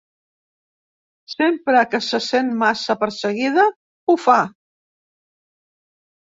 Sempre que se sent massa perseguida ho fa.